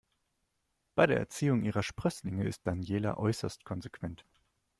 Bei der Erziehung ihrer Sprösslinge ist Daniela äußerst konsequent.